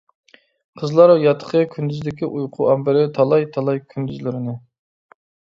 قىزلار ياتىقى كۈندۈزدىكى ئۇيقۇ ئامبىرى، تالاي-تالاي كۈندۈزلىرىنى.